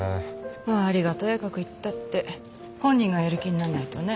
周りがとやかく言ったって本人がやる気になんないとね。